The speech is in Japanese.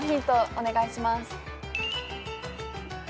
お願いします。